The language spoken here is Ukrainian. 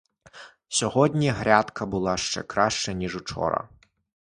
Сьогодні грядка була ще краща, ніж учора.